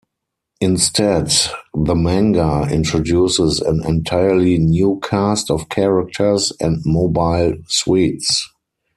Instead, the manga introduces an entirely new cast of characters and mobile suits.